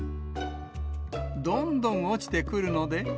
どんどん落ちてくるので。